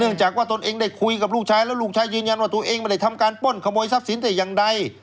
จากว่าตนเองได้คุยกับลูกชายแล้วลูกชายยืนยันว่าตัวเองไม่ได้ทำการป้นขโมยทรัพย์สินแต่อย่างใด